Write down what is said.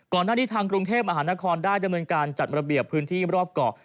ก่อนหน้านี้ทางกรุงเทพมหานครได้ดำเนินการจัดระเบียบพื้นที่รอบเกาะ